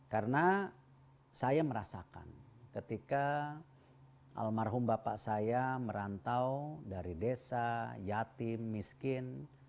karena saya merasakan ketika almarhum bapak saya merantau dari desa yatim miskin